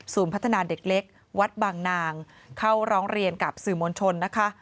พัฒนาเด็กเล็กวัดบางนางเข้าร้องเรียนกับสื่อมวลชนนะคะ